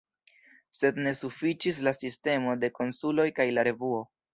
Sed ne sufiĉis la sistemo de konsuloj kaj la revuo.